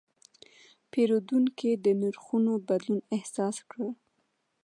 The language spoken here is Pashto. پیرودونکی د نرخونو بدلون احساس کړ.